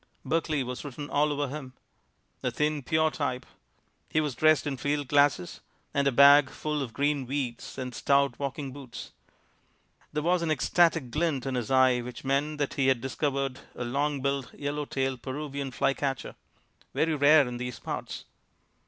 Berkeley was written all over him. A thin, pure type. He was dressed in field glasses and a bag full of green weeds and stout walking boots. There was an ecstatic glint in his eye which meant that he had discovered a long billed, yellow tailed Peruvian fly catcher, "very rare in these parts."